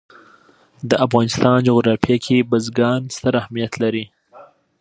د افغانستان جغرافیه کې بزګان ستر اهمیت لري.